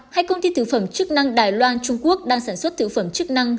hai công ty thư phẩm chức năng đài loan trung quốc đang sản xuất thư phẩm chức năng